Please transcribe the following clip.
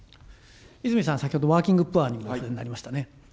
泉さん、先ほど、ワーキングプアにも触れられましたね。